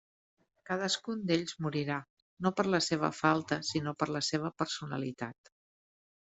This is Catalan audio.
Cadascun d'ells morirà, no per la seva falta, sinó per la seva personalitat.